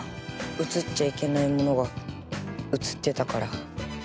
写っちゃいけないものが写っていたから。